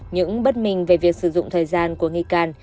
những bất minh về việc sử dụng thời gian của nghi can